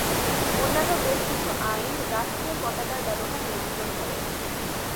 অন্যান্য বেশ কিছু আইন রাষ্ট্রীয় পতাকার ব্যবহার নিয়ন্ত্রণ করে।